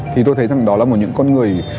thì tôi thấy rằng đó là một những con người